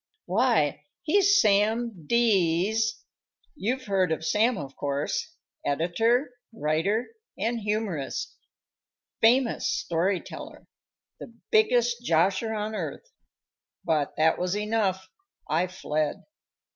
"Why, he's Sam D s; you've heard of Sam, of course editor, writer and humorist famous story teller the biggest 'josher' on earth ." But that was enough. I fled.